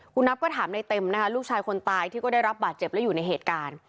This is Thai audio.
คุณนับก็ถามในเต็มนะคะลูกชายคนตายที่ก็ได้รับบาดเจ็บและอยู่ในเหตุการณ์